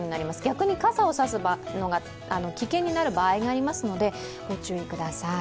逆に傘を差すのが危険になる場合がありますので、ご注意ください。